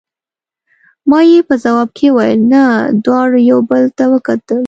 ما یې په ځواب کې وویل: نه، دواړو یو بل ته وکتل.